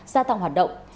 sa tăng hoạt động